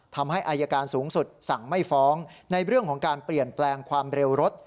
ทำให้อายการสูงสุดสั่งไม่ฟ้องในเรื่องของการเปลี่ยนแปลงความเร็วรถ